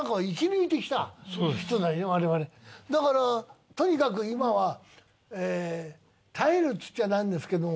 だからとにかく今は耐えるって言っちゃなんですけども。